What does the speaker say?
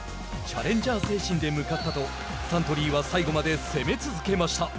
チャレンジャー精神で向かったとサントリーは最後まで攻め続けました。